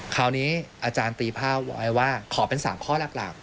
คราวนี้อาจารย์ตีผ้าไว้ว่าขอเป็น๓ข้อหลัก